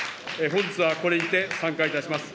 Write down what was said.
本日はこれにて散会いたします。